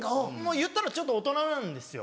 いったらちょっと大人なんですよ。